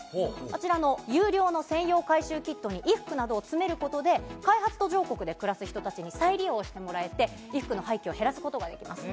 こちらの有料の専用回収キットに、衣服などを詰めることで、開発途上国で暮らす人たちに再利用してもらえて、衣服の廃棄を減らすことができます。